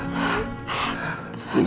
kita harus saling memuatkan ma